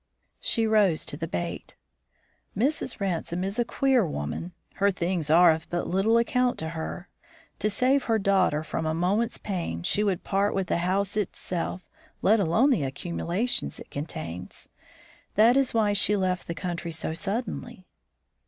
She rose to the bait. "Mrs. Ransome is a queer woman. Her things are of but little account to her; to save her daughter from a moment's pain she would part with the house itself, let alone the accumulations it contains. That is why she left the country so suddenly."